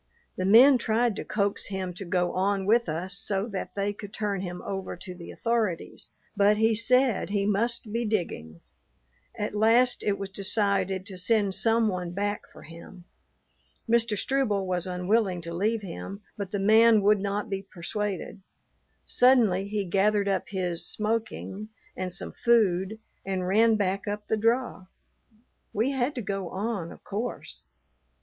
The men tried to coax him to go on with us so that they could turn him over to the authorities, but he said he must be digging. At last it was decided to send some one back for him. Mr. Struble was unwilling to leave him, but the man would not be persuaded. Suddenly he gathered up his "smoking" and some food and ran back up the draw. We had to go on, of course.